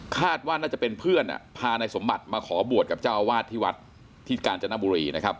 คาดว่าน่าจะเป็นเพื่อนพานายสมบัติมาขอบวชกับเจ้าอาวาสที่วัดที่กาญจนบุรีนะครับ